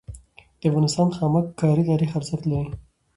د افغانستان خامک کاری تاریخي ارزښت لري.